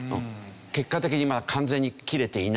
結果的に完全に切れていない。